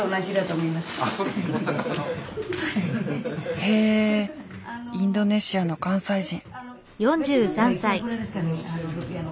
へえインドネシアの関西人。